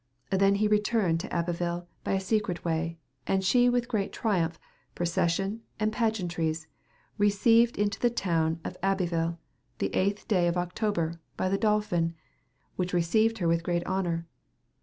Then he returned to Abuyle by a secret waye, & she was with greate triumphe, procession & pagiantes receyued into the toune of Abuyle the VIII day of October by the Dolphin, which receyued her with greate honor.